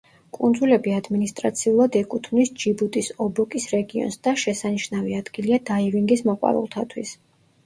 კუნძულები ადმინისტრაციულად ეკუთვნის ჯიბუტის ობოკის რეგიონს და შესანიშნავი ადგილია დაივინგის მოყვარულთათვის.